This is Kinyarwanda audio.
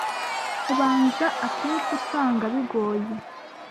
ubanza akenshi usanga bigoye.